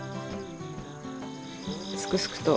すくすくと。